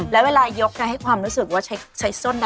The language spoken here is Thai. และเวลายกก็ให้ความรู้สึกว่าชัยซ่น